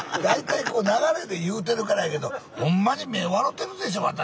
大体こう流れで言うてるからやけどホンマに目笑うてるでしょ